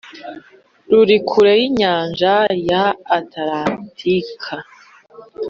ruri kure y'inyanja ya atalantika